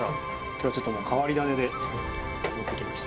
今日はちょっと変わり種で持ってきました。